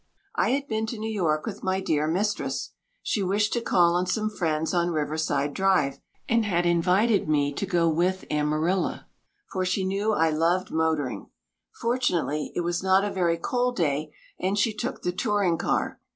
I had been to New York with my dear mistress. She wished to call on some friends on Riverside Drive and had invited me to go with Amarilla, for she knew I loved motoring. Fortunately it was not a very cold day, and she took the touring car.